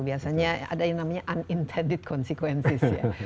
biasanya ada yang namanya unintended consequences ya